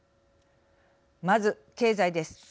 まず経済です。